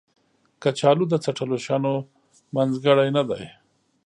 کچالو د څټلو شیانو منځګړی نه دی